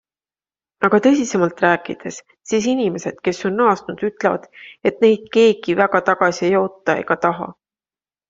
Aga tõsisemalt rääkides, siis inimesed, kes on naasnud, ütlevad, et neid keegi väga tagasi ei oota ega taha.